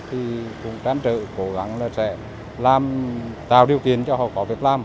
thì cũng trang trợ cố gắng là sẽ làm tạo điều tiền cho họ có việc làm